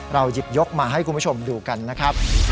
หยิบยกมาให้คุณผู้ชมดูกันนะครับ